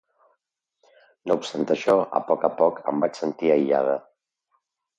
No obstant això, a poc a poc, em vaig sentir aïllada.